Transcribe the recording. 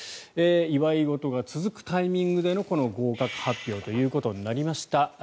祝い事が続くタイミングでのこの合格発表ということになりました。